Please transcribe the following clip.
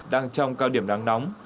đang trong cao điểm nắng nóng